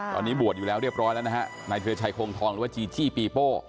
ตอนนี้บวชอยู่แล้วเรียบร้อยแล้วนะฮะนายเครือชัยโครงทองหรือว่าจีจี้ปีโป้